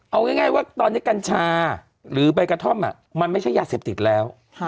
เอาง่ายว่าตอนนี้กัญชาหรือใบกระท่อมมันไม่ใช่ยาเสพติดแล้ว